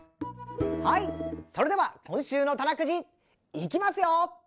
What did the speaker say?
はいそれでは今週の「たなくじ」いきますよ！